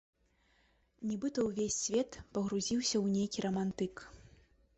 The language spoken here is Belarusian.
Нібыта ўвесь свет пагрузіўся ў нейкі рамантык.